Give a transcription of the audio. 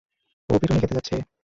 ও পিটুনি খেতে যাচ্ছে।